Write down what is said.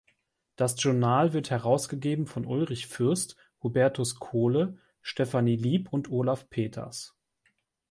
Das Journal wird herausgegeben von Ulrich Fürst, Hubertus Kohle, Stefanie Lieb und Olaf Peters.